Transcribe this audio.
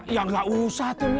ya gak usah tuh